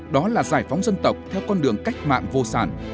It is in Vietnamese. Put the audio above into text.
đó là giải phóng dân tộc theo con đường cách mạng vô sản